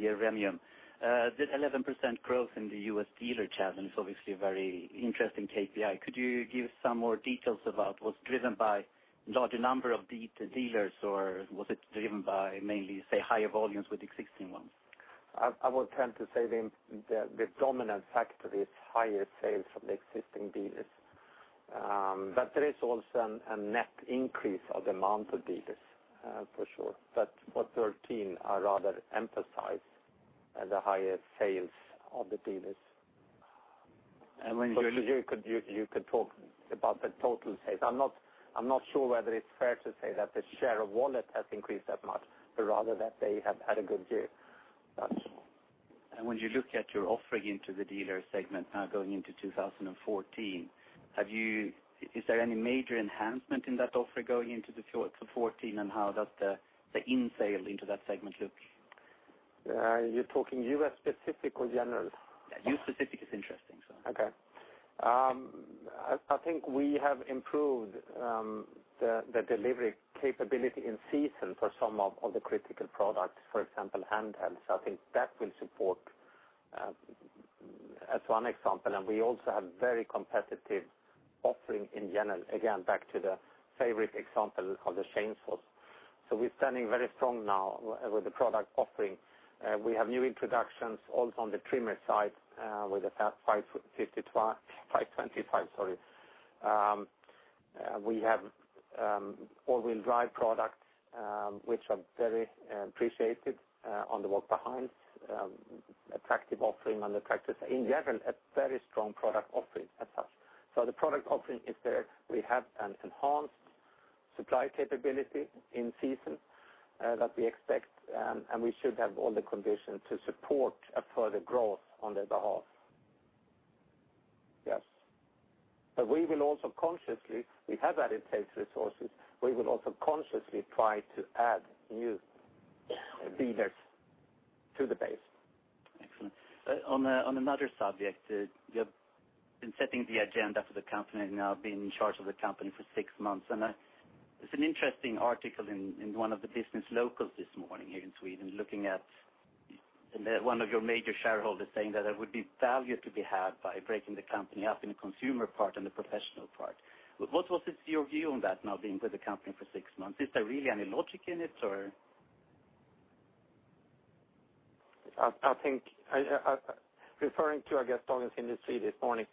here, Remium. The 11% growth in the U.S. dealer channel is obviously a very interesting KPI. Could you give some more details about what's driven by larger number of the dealers, or was it driven by mainly, say, higher volumes with existing ones? I would tend to say the dominant factor is higher sales from the existing dealers. There is also a net increase of the amount of dealers, for sure. For 2013, I rather emphasize the higher sales of the dealers. When you look You could talk about the total sales. I'm not sure whether it's fair to say that the share of wallet has increased that much, but rather that they have had a good year. When you look at your offering into the dealer segment now going into 2014, is there any major enhancement in that offer going into 2014, and how does the in sale into that segment look? You're talking U.S. specific or general? U.S. specific is interesting. I think we have improved the delivery capability in season for some of the critical products, for example, handhelds. I think that will support as one example, and we also have very competitive offering in general. Again, back to the favorite example of the chainsaws. We're standing very strong now with the product offering. We have new introductions also on the trimmer side with the 525. We have all-wheel drive products, which are very appreciated on the walk behind. Attractive offering and in general, a very strong product offering as such. The product offering is there. We have an enhanced supply capability in season that we expect, and we should have all the conditions to support a further growth on their behalf. We will also consciously, we have added sales resources. We will also consciously try to add new dealers to the base. Excellent. On another subject, you have been setting the agenda for the company now, being in charge of the company for six months. There's an interesting article in one of the business locals this morning here in Sweden, looking at one of your major shareholders saying that there would be value to be had by breaking the company up in the consumer part and the professional part. What was your view on that now, being with the company for six months? Is there really any logic in it or? I think, referring to, I guess, Dagens Industri this morning.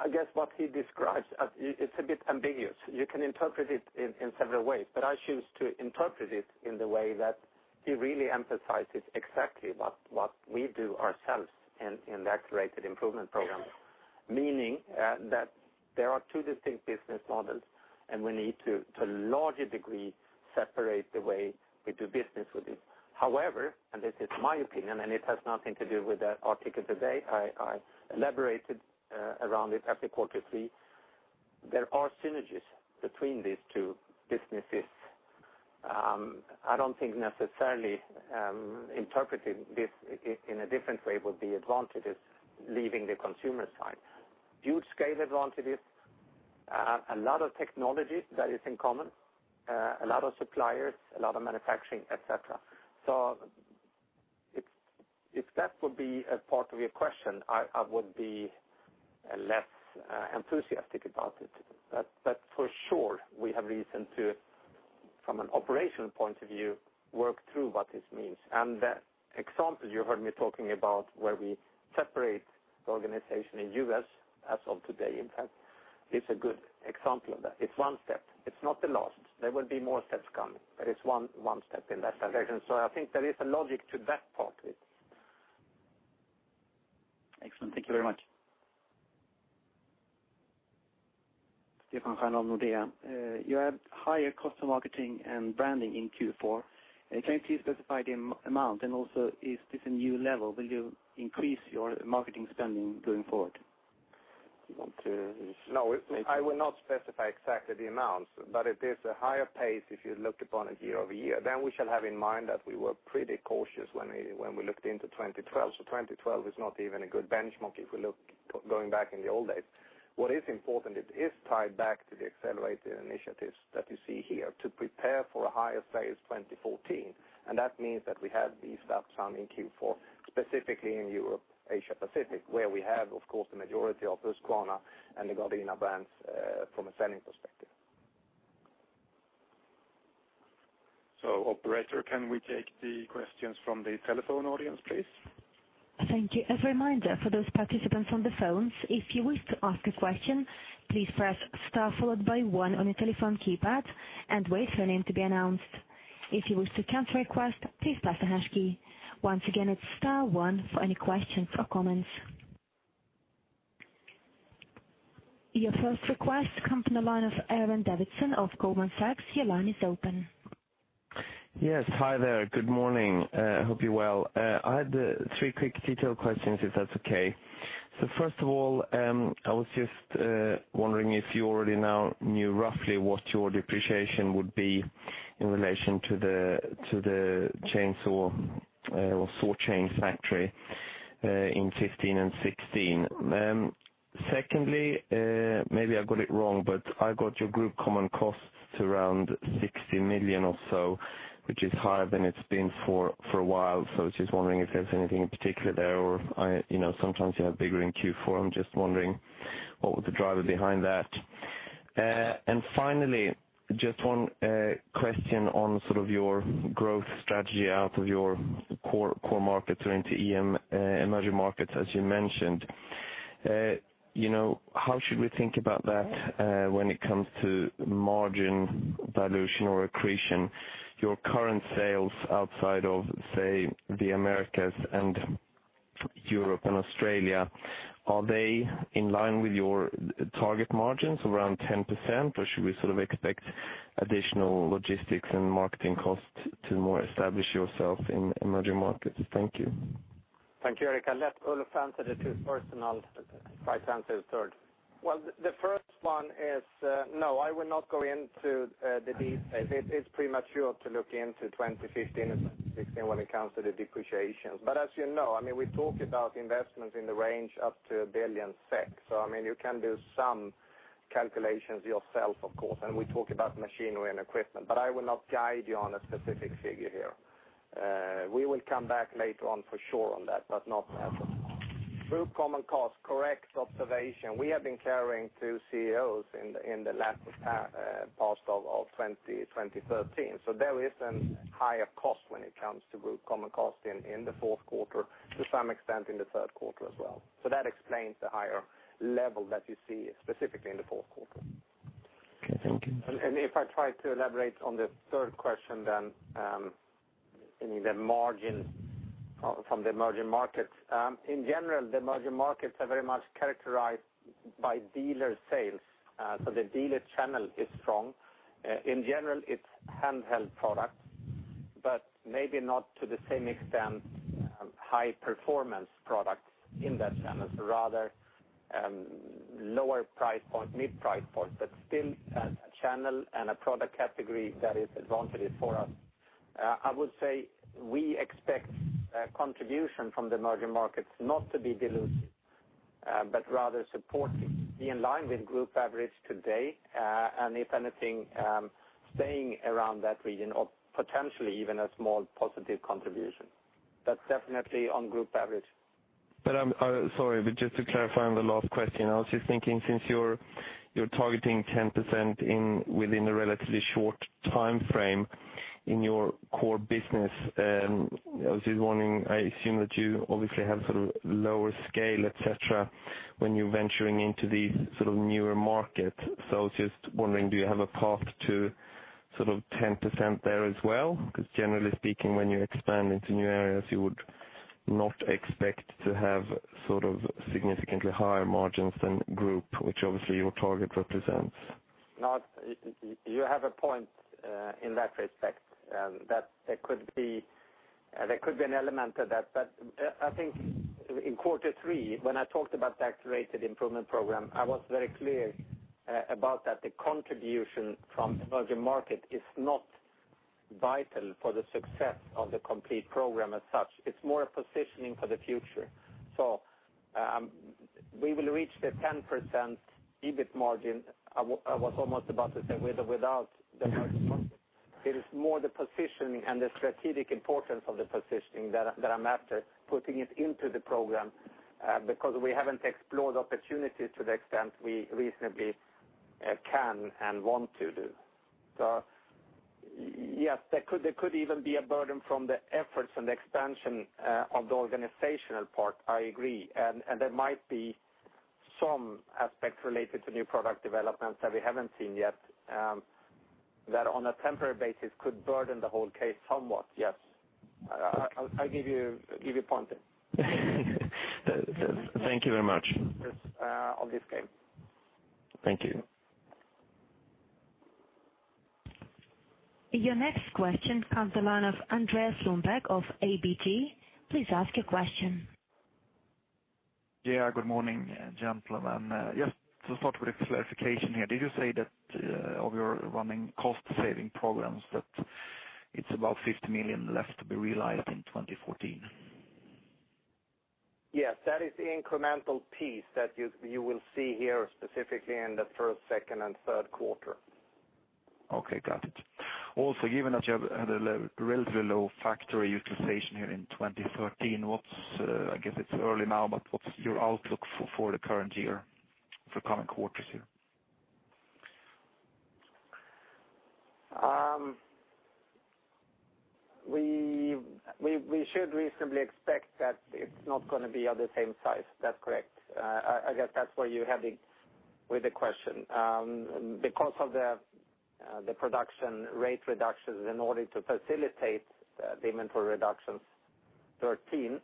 I guess what he describes, it's a bit ambiguous. You can interpret it in several ways, but I choose to interpret it in the way that he really emphasizes exactly what we do ourselves in the Accelerated Improvement Program. Meaning that there are two distinct business models, we need to a larger degree, separate the way we do business with it. However, this is my opinion, it has nothing to do with the article today. I elaborated around it at the quarterly. There are synergies between these two businesses. I don't think necessarily interpreting this in a different way would be advantageous, leaving the consumer side. Huge scale advantages. A lot of technology that is in common. A lot of suppliers, a lot of manufacturing, et cetera. If that would be a part of your question, I would be less enthusiastic about it. For sure, we have reason to, from an operational point of view, work through what this means. The example you heard me talking about where we separate the organization in U.S. as of today, in fact, is a good example of that. It's one step. It's not the last. There will be more steps coming, but it's one step in that direction. I think there is a logic to that part of it. Excellent. Thank you very much. Stefan Kjellsson, Nordea. You have higher cost of marketing and branding in Q4. Can you please specify the amount? Also, is this a new level? Will you increase your marketing spending going forward? No, I will not specify exactly the amount, it is a higher pace, if you look upon it year-over-year. We shall have in mind that we were pretty cautious when we looked into 2012. 2012 is not even a good benchmark if we look going back in the old days. What is important, it is tied back to the Accelerated Initiatives that you see here to prepare for a higher sales 2014. That means that we have these start from in Q4, specifically in Europe, Asia Pacific, where we have, of course, the majority of Husqvarna and the Gardena brands from a selling perspective. Operator, can we take the questions from the telephone audience, please? Thank you. As a reminder for those participants on the phones, if you wish to ask a question, please press star followed by one on your telephone keypad and wait for your name to be announced. If you wish to cancel a request, please press the hash key. Once again, it's star one for any questions or comments. Your first request come from the line of Aaron Davidson of Goldman Sachs. Your line is open. Yes. Hi there. Good morning. Hope you're well. I had three quick detailed questions, if that's okay. First of all, I was just wondering if you already now knew roughly what your depreciation would be in relation to the chainsaw or saw chain factory in 2015 and 2016. Secondly, maybe I got it wrong, but I got your group common costs around 60 million or so, which is higher than it's been for a while. Just wondering if there's anything in particular there or sometimes you have bigger in Q4. I'm just wondering what was the driver behind that. Finally, just one question on sort of your growth strategy out of your core markets or into emerging markets, as you mentioned. How should we think about that when it comes to margin dilution or accretion? Your current sales outside of, say, the Americas and Europe and Australia, are they in line with your target margins around 10%, or should we sort of expect additional logistics and marketing costs to more establish yourself in emerging markets? Thank you. Thank you, Aaron. I'll let Ulf answer the two first, and I'll try to answer the third. Well, the first one is, no, I will not go into the detail. It's premature to look into 2015 and 2016 when it comes to the depreciation. As you know, we talk about investments in the range up to 1 billion SEK. You can do some calculations yourself, of course, and we talk about machinery and equipment, but I will not guide you on a specific figure here. We will come back later on for sure on that, but not now. Group common cost, correct observation. We have been carrying two CEOs in the latter part of 2013. There is a higher cost when it comes to group common cost in the fourth quarter, to some extent in the third quarter as well. That explains the higher level that you see specifically in the fourth quarter. Okay, thank you. If I try to elaborate on the third question then, the margin from the emerging markets. In general, the emerging markets are very much characterized by dealer sales. The dealer channel is strong. In general, it's handheld products, but maybe not to the same extent high-performance products in that channel. Rather, lower price point, mid price point, but still a channel and a product category that is advantageous for us. I would say we expect contribution from the emerging markets not to be dilutive, but rather supportive, be in line with group average today. If anything, staying around that region or potentially even a small positive contribution. Definitely on group average. Sorry, just to clarify on the last question, I was just thinking, since you're targeting 10% within a relatively short timeframe in your core business, I assume that you obviously have sort of lower scale, et cetera, when you're venturing into these sort of newer markets. I was just wondering, do you have a path to sort of 10% there as well? Because generally speaking, when you expand into new areas, you would not expect to have sort of significantly higher margins than group, which obviously your target represents. You have a point, in that respect, that there could be an element of that. I think in quarter three, when I talked about the Accelerated Improvement Program, I was very clear about that the contribution from emerging market is not vital for the success of the complete program as such. It's more a positioning for the future. We will reach the 10% EBIT margin, I was almost about to say, with or without the emerging markets. It is more the positioning and the strategic importance of the positioning that I'm after, putting it into the program, because we haven't explored opportunities to the extent we reasonably can and want to do. Yes, there could even be a burden from the efforts and the expansion of the organizational part, I agree. There might be some aspects related to new product developments that we haven't seen yet, that on a temporary basis could burden the whole case somewhat, yes. I give you a point there. Thank you very much. Yes, obviously. Thank you. Your next question comes the line of Andreas Lundberg of ABG. Please ask your question. Yeah, good morning, gentlemen. Just to start with a clarification here. Did you say that of your running cost-saving programs, that it's about 50 million left to be realized in 2014? Yes. That is the incremental piece that you will see here specifically in the first, second, and third quarter. Okay. Got it. Also, given that you have had a relatively low factory utilization here in 2013, I guess it's early now, but what's your outlook for the current year, for coming quarters here? We should reasonably expect that it's not going to be of the same size. That's correct. I guess that's where you're heading with the question. Because of the production rate reductions in order to facilitate the inventory reductions 2013,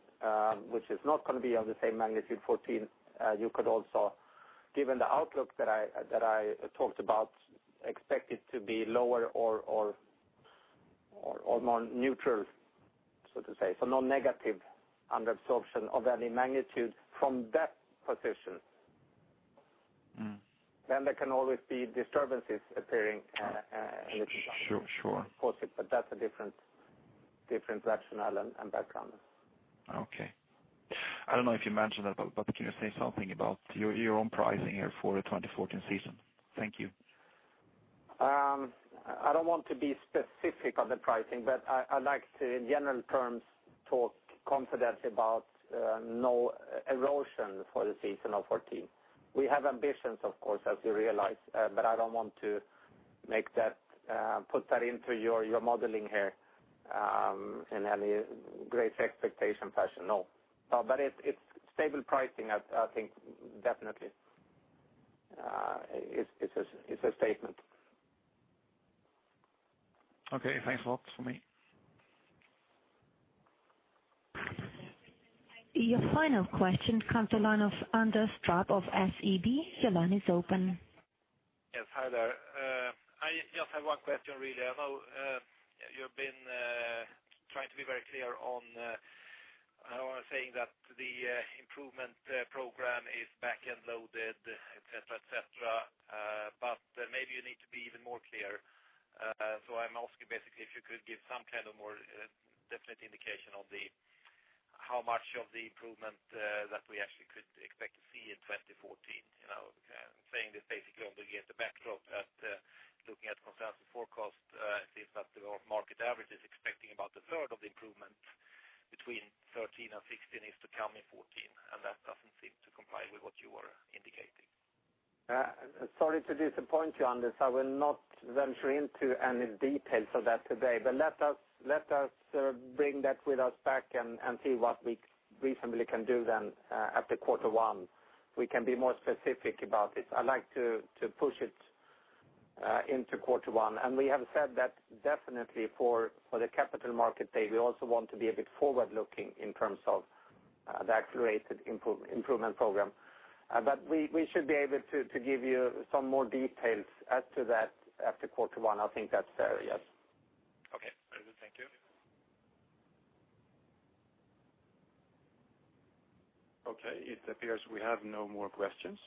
which is not going to be of the same magnitude 2014. You could also, given the outlook that I talked about, expect it to be lower or more neutral, so to say. No negative under absorption of any magnitude from that position. There can always be disturbances appearing in the future. Sure. Of course, that's a different rationale and background. Okay. I don't know if you mentioned that, can you say something about your own pricing here for the 2014 season? Thank you. I don't want to be specific on the pricing, I'd like to, in general terms, talk confidently about no erosion for the season of 2014. We have ambitions, of course, as you realize. I don't want to put that into your modeling here, in any great expectation fashion, no. It's stable pricing, I think definitely. It's a statement. Okay. Thanks a lot. That's for me. Your final question comes the line of Anders Trapp of SEB. Your line is open. Yes. Hi there. I just have one question really. I know you've been trying to be very clear on saying that the Improvement Program is back-end loaded, et cetera. Maybe you need to be even more clear. I'm asking basically if you could give some kind of more definite indication of how much of the improvement that we actually could expect to see in 2014. I'm saying this basically against the backdrop that looking at consensus forecast, it seems that the market average is expecting about a third of the improvement between 2013 and 2016 is to come in 2014, That doesn't seem to comply with what you are indicating. Sorry to disappoint you, Anders. I will not venture into any details of that today. Let us bring that with us back and see what we reasonably can do then, after quarter one. We can be more specific about it. I'd like to push it into quarter one, and we have said that definitely for the Capital Market Day. We also want to be a bit forward-looking in terms of the Accelerated Improvement Program. We should be able to give you some more details as to that after quarter one. I think that's fair. Yes. Okay. Very good. Thank you. Okay, it appears we have no more questions.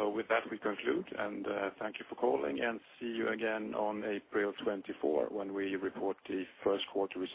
With that, we conclude, and thank you for calling, and see you again on April 24 when we report the first quarter results.